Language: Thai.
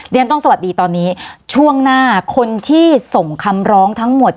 ต้องสวัสดีตอนนี้ช่วงหน้าคนที่ส่งคำร้องทั้งหมด